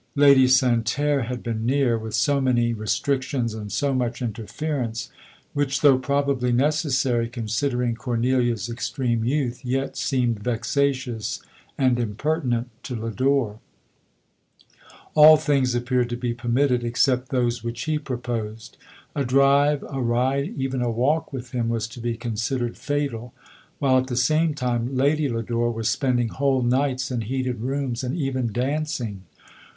Lady Santerre had been near, with so many restrictions and so much interference, which though probably ne cessary, considering Cornelia's extreme youth, yet seemed vexatious and impertinent to Lodore. All things appeared to be permitted, except those which he proposed. A drive, a ride, even a walk, with him, was to be considered fatal ; while, at the same time, Lady Lodore was spending whole nights in heated rooms, and even dancing.